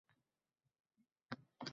Afsuskim, tushimdan ayirdi sahar…